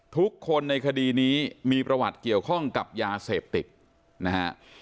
ทุกคนในคดีนี้มีประวัติเกี่ยวข้องกับยาเสพติดนะฮะ